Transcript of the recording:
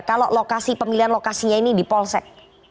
kalau lokasi pemilihan lokasinya ini di polsek